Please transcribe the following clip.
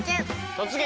「突撃！